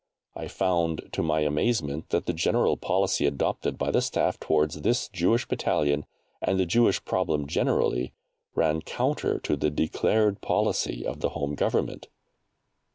I found, to my amazement, that the policy adopted by the Staff towards this Jewish Battalion, and the Jewish problem generally, ran counter to the declared policy of the Home Government.